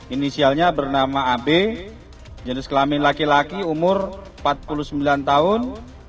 inisialnya bernama ab jenis kelamin laki laki umur empat puluh sembilan tahun